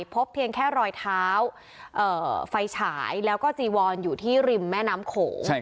เพียงแค่รอยเท้าไฟฉายแล้วก็จีวอนอยู่ที่ริมแม่น้ำโขง